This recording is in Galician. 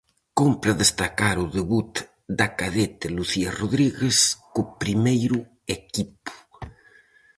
Cómpre destacar o debut da cadete Lucía Rodríguez co primeiro equipo.